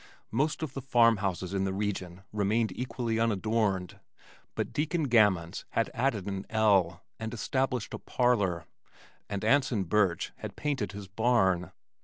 Most of the farm houses in the region remained equally unadorned, but Deacon Gammons had added an "ell" and established a "parlor," and Anson Burtch had painted his barn.